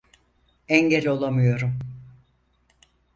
Engel olamıyorum.